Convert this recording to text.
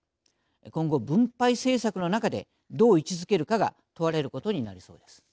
今後分配政策の中でどう位置づけるかが問われることになりそうです。